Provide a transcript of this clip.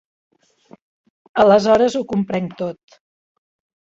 Aleshores ho comprenc tot.